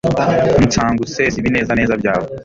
unsanga usesa ibinezaneza byawe